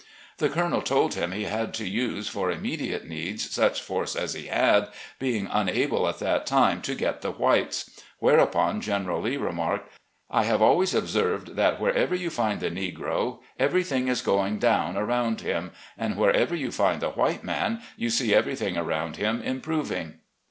The Colonel told him he had to use, for immediate needs, such force as he had, being unable at that time to get the whites. Wereupon General Lee remarked: "I have always observed that wherever you find the negro, everything is going down around him, and wherever you find the white man, you see everything around him improving."